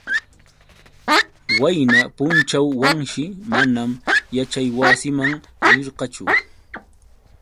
Qayna punćhaw Wanshi manam yaćhaywasiman rirqachu.